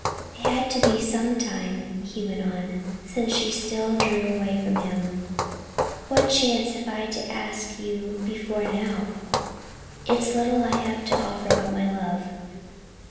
"It had to be sometime," he went on, since she still drew away from him. "What chance have I had to ask you before now? It's little I have to offer but my love."